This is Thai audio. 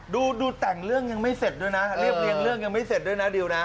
ดูแต่งเรื่องยังไม่เสร็จด้วยนะเรียบเรียงเรื่องยังไม่เสร็จด้วยนะดิวนะ